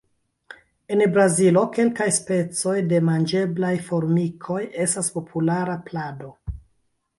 En Brazilo kelkaj specoj de manĝeblaj formikoj estas populara plado.